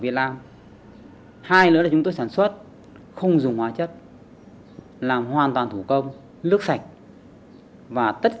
việt nam hai nữa là chúng tôi sản xuất không dùng hóa chất làm hoàn toàn thủ công nước sạch và tất